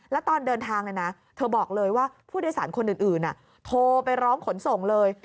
แล้วตอนเดินทางเธอบอกเลยว่าผู้โดยสารคนอื่นโทรไปร้องขนส่งเลย